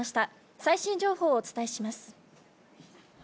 最新情報をお伝えします。